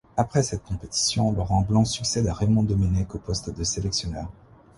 Après cette compétition, Laurent Blanc succède à Raymond Domenech au poste de sélectionneur.